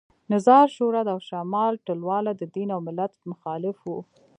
نظار شورا او شمال ټلواله د دین او ملت مخالف وو